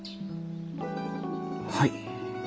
はい？